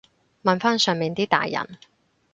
問返上面啲大人